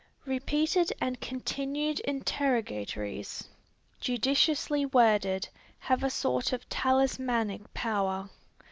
Repeated and continued interrogatories, judiciously worded, have a sort of talismanic power.